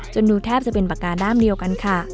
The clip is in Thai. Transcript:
ดูแทบจะเป็นปากกาด้ามเดียวกันค่ะ